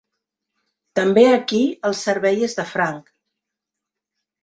També aquí el servei és de franc.